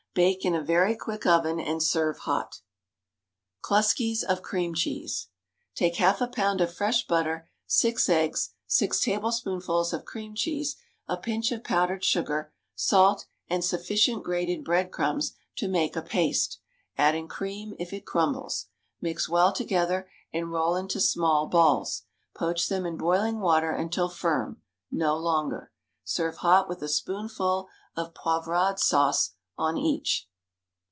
Bake in a very quick oven, and serve hot. Kluskis of Cream Cheese. Take half a pound of fresh butter, six eggs, six tablespoonfuls of cream cheese, a pinch of powdered sugar, salt, and sufficient grated bread crumbs to make a paste, adding cream if it crumbles; mix well together, and roll into small balls; poach them in boiling water until firm (no longer). Serve hot, with a spoonful of poivrade sauce on each.